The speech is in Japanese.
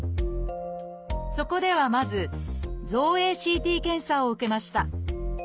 そこではまず造影ＣＴ検査を受けました。